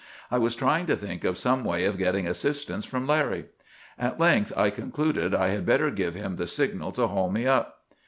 I was trying to think of some way of getting assistance from Larry. At length I concluded I had better give him the signal to haul me up.